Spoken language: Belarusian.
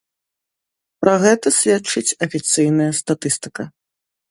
Пра гэта сведчыць афіцыйная статыстыка.